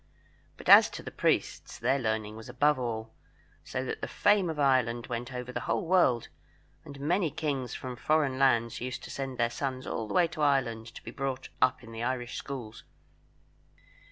But as to the priests, their learning was above all, so that the fame of Ireland went over the whole world, and many kings from foreign lands used to send their sons all the way to Ireland to be brought up in the Irish schools.